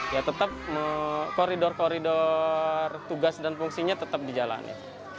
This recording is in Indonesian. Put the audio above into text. ya tetap koridor koridor tugas dan fungsinya tetap dijalani